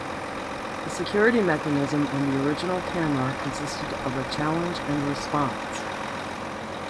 The security mechanism on the original camera consisted of a challenge and response.